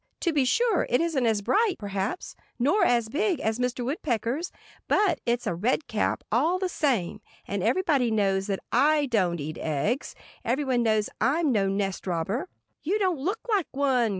To be sure, it isn't as bright, perhaps, nor as big, as Mr. Woodpecker's. But it's a red cap, all the same. And everybody knows that I don't eat eggs. Everybody knows I'm no nest robber." "You don't look like one!"